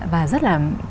và rất là